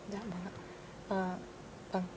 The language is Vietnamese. dạ vâng ạ